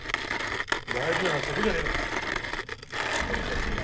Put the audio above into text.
大事なのはそこじゃねえのか。